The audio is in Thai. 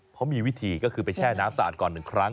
เขามีวิธีก็คือไปแช่น้ำสะอาดก่อน๑ครั้ง